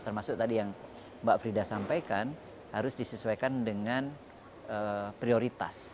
termasuk tadi yang mbak frida sampaikan harus disesuaikan dengan prioritas